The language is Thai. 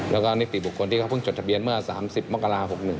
แล้วก็นิติบุคคลที่เขาเพิ่งจดทะเบียนเมื่อ๓๐มกรา๖๑